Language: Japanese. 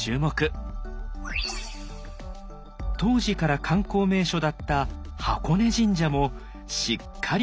当時から観光名所だった箱根神社もしっかり描かれています。